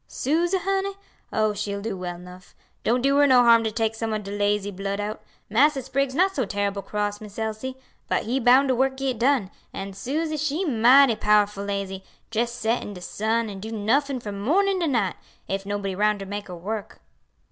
"Suse, honey? oh, she'll do well 'nuff; don't do her no harm to take some ob de lazy blood out. Massa Spriggs not so terrible cross, Miss Elsie; but he bound de work git done, an' Suse she mighty powerful lazy, jes' set in de sun an' do nuffin' from mornin' to night, ef nobody roun' to make her work."